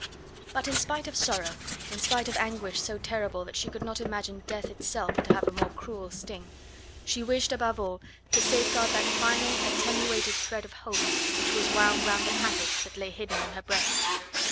But in spite of sorrow, in spite of anguish so terrible that she could not imagine Death itself to have a more cruel sting, she wished above all to safeguard that final, attenuated thread of hope which was wound round the packet that lay hidden on her breast.